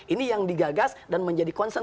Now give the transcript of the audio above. ini yang digagas dan menjadi concern